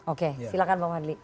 oke silakan pak wadli